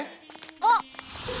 あっ！